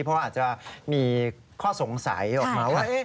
เพราะอาจจะมีข้อสงสัยออกมาว่า